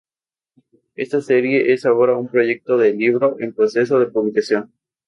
Esta serie es ahora un proyecto de libro en proceso de publicación.